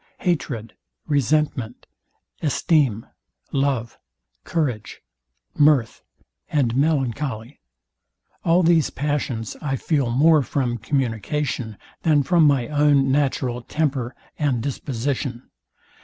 Hatred, resentment, esteem, love, courage, mirth and melancholy; all these passions I feel more from communication than from my own natural temper and disposition.